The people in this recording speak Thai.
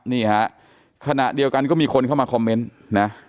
นี่ฮะขณะเดียวกันก็มีคนเข้ามาคอมเมนต์นะ